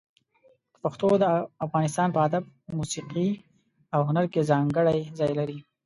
پښتو د افغانستان په ادب، موسيقي او هنر کې ځانګړی ځای لري.